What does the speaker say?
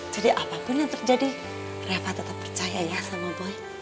jadi apapun yang terjadi reva tetap percaya ya sama boy